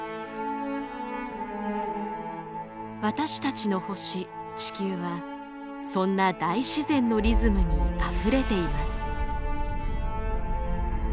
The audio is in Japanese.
私たちの星地球はそんな大自然のリズムにあふれています。